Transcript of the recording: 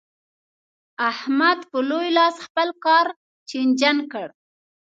احمد په لوی لاس خپل کار چينجن کړ.